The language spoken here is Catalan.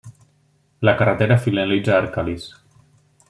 La carretera finalitza a Arcalís.